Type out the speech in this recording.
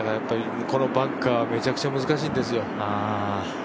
このバンカー、めちゃくちゃ難しいんですよ。